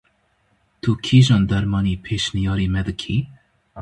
Tu kîjan dermanî pêşniyarî me dikî?